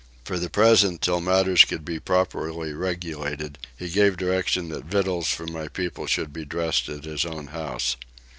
For the present till matters could be properly regulated he gave directions that victuals for my people should be dressed at his own house.